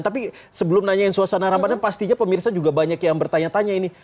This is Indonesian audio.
tapi sebelum nanyain suasana ramadan pastinya pemirsa juga banyak yang bertanya tanya ini